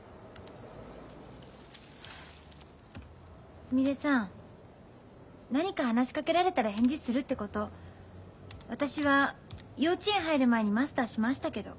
すみれさん何か話しかけられたら返事するってこと私は幼稚園入る前にマスターしましたけど。